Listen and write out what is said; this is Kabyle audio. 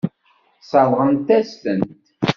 Sseṛɣent-as-tent.